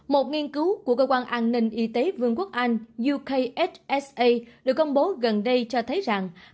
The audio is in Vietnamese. một nghiên cứu của cơ quan an ninh y tế vương quốc anh yuksa được công bố gần đây cho thấy rằng